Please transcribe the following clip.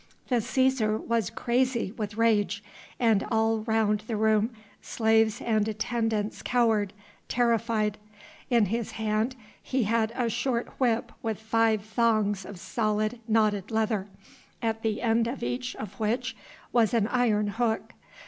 The Cæsar was crazy with rage, and all round the room slaves and attendants cowered, terrified. In his hand he had a short whip with five thongs of solid, knotted leather, at the end of each of which was an iron hook.